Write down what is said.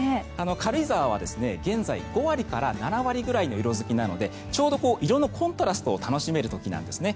軽井沢、現在５割から７割ぐらいの色付きなのでちょうど色のコントラストを楽しめる時なんですね。